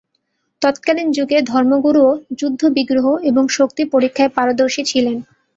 তৎকালীন যুগে ধর্মগুরুও যুদ্ধ-বিগ্রহ এবং শক্তি পরীক্ষায় পারদর্শী ছিলেন।